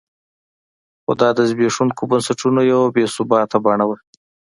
خو دا د زبېښونکو بنسټونو یوه بې ثباته بڼه وه.